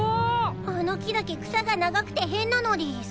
あの木だけ草が長くて変なのでぃす。